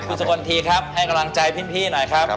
คุณสกลทีครับให้กำลังใจพี่หน่อยครับ